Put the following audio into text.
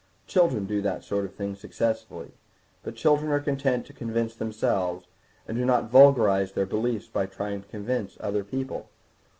Children do that sort of thing successfully, but children are content to convince themselves, and do not vulgarise their beliefs by trying to convince other people.